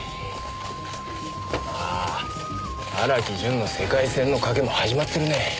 ああ荒木淳の世界戦の賭けも始まってるねぇ。